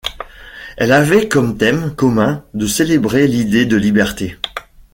Elles avaient comme thème commun de célébrer l’idée de liberté.